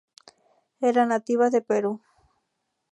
Era nativa de Perú.